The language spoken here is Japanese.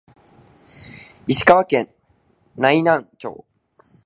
石川県内灘町